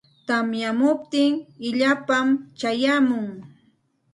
Tamyamuptin illapam chayamun.